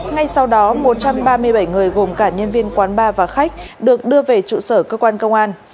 ngay sau đó một trăm ba mươi bảy người gồm cả nhân viên quán bar và khách được đưa về trụ sở cơ quan công an